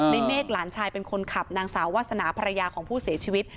เมฆหลานชายเป็นคนขับนางสาววาสนาภรรยาของผู้เสียชีวิต